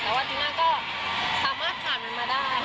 แต่ว่าจริงก็สามารถขาดมันมาได้